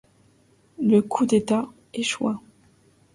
Le coup d'État échoua.